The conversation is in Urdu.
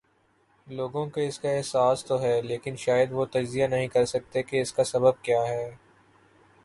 لوگوں کواس کا احساس تو ہے لیکن شاید وہ تجزیہ نہیں کر سکتے کہ اس کا سبب کیا ہے۔